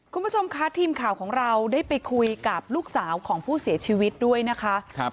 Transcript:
คุณผู้ชมคะทีมข่าวของเราได้ไปคุยกับลูกสาวของผู้เสียชีวิตด้วยนะคะ